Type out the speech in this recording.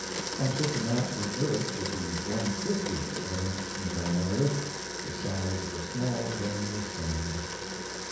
On such a map the earth would be one fiftieth of an inch in diameter the size of a small grain of sand.